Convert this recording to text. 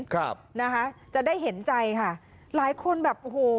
ครับนะคะจะได้เห็นใจค่ะหลายคนแบบโอ้โห